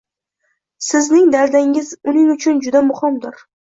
Sizning daldangiz uning uchun juda muhimdir